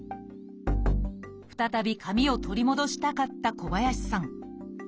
再び髪を取り戻したかった小林さん。